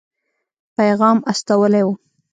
پیغام استولی وو.